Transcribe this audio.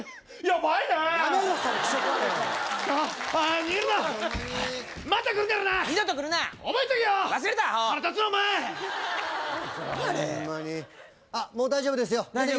ホンマにあっもう大丈夫ですよ